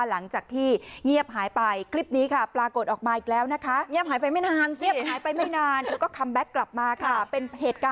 หลังจากที่เงียบหายไปคลิปนี้ค่ะปรากฏออกมาอีกแล้วนะคะ